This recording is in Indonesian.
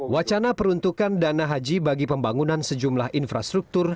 wacana peruntukan dana haji bagi pembangunan sejumlah infrastruktur